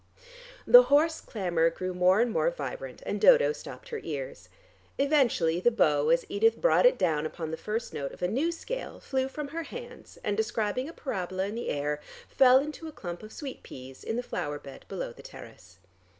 The hoarse clamor grew more and more vibrant and Dodo stopped her ears. Eventually the bow, as Edith brought it down upon the first note of a new scale, flew from her hands, and describing a parabola in the air fell into a clump of sweet peas in the flower bed below the terrace.